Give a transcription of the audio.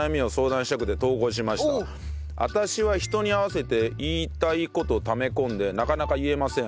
私は人に合わせて言いたい事ためこんでなかなか言えません。